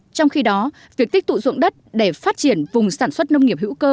trong khi đó việc tích tụ dụng đất để phát triển vùng sản xuất nông nghiệp hữu cơ